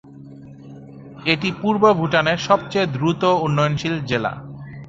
এটি পূর্ব ভুটানের সবচেয়ে দ্রুত উন্নয়নশীল জেলা।